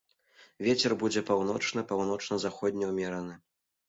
Вецер будзе паўночны, паўночна-заходні ўмераны.